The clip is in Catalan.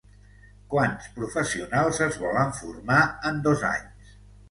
Quants professionals es volen formar en dos anys?